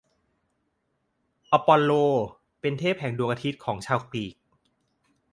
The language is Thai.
อปอลโล เป็นเทพแห่งดวงอาทิตย์ของชาวกรีก